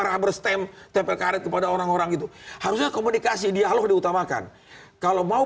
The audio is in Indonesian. rubber stemp tempel karet kepada orang orang itu harusnya komunikasi dialog diutamakan kalau mau